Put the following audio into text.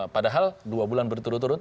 padahal dua bulan berturut turut